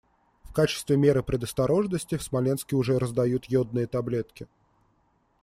В качестве меры предосторожности в Смоленске уже раздают йодные таблетки.